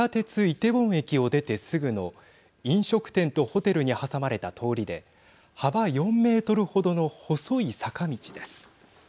イテウォン駅を出てすぐの飲食店とホテルに挟まれた通りで幅４メートル程の細い坂道です。